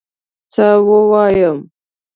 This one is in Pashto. څه ووایم؟!